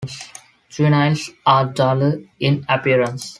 Juveniles are duller in appearance.